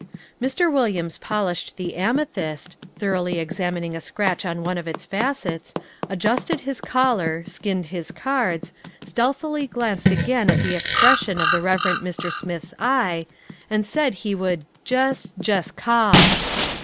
Mr. Williams polished the amethyst, thoroughly examining a scratch on one of its facets, adjusted his collar, skinned his cards, stealthily glanced again at the expression of the Reverend Mr. Smith's eye, and said he would "Jess jess call."